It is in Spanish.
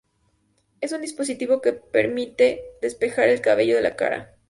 Es un dispositivo que permite despejar el cabello de la cara.